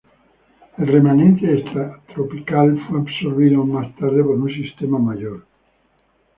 El remanente extratropical fue absorbido más tarde por un sistema mayor.